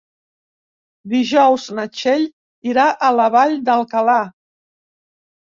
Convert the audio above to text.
Dijous na Txell irà a la Vall d'Alcalà.